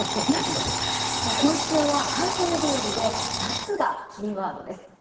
今週は半袖日和で夏がキーワードです。